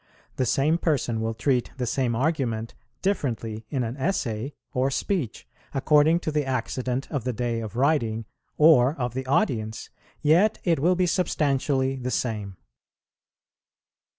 The same person will treat the same argument differently in an essay or speech, according to the accident of the day of writing, or of the audience, yet it will be substantially the same.